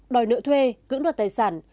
đòi nợ thuê cưỡng đoạt tài sản